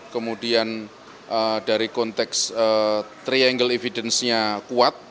kemudian dari konteks triangle evidence nya kuat